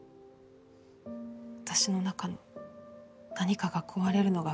私の中の何かが壊れるのがわかりました。